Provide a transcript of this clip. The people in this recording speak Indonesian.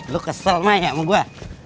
lu kesel maya mau gua